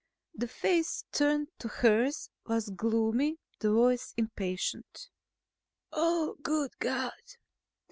The face turned to hers was gloomy, the voice impatient. "Oh, good God!